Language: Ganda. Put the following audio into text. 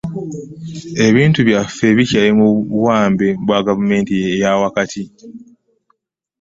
Ebintu byaffe bikyali mu buwambe bwa gavumenti eya wakati